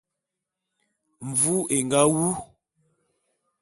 Mvu é nga wu.